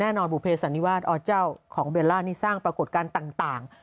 แน่นอนบูเผสันิวาดเอาเจ้าของเบลล่านี่สร้างประกอบการณ์ต่างต่าง